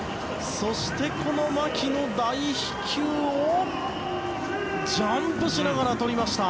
そしてこの牧の大飛球をジャンプしながらとりました。